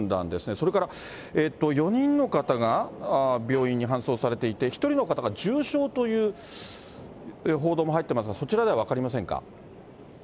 それから４人の方が病院に搬送されていて、１人の方が重症という報道も入っていますが、そちらでは分かりませんか。